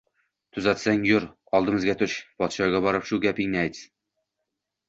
Тuzatsang, yur, oldimizga tush, podshoga borib shu gapingni ayt